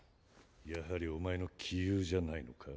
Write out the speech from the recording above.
やはりお前の杞憂じゃないのか？